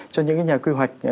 cho những nhà quy hoạch